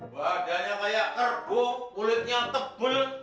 badannya kayak kerbuk kulitnya tebal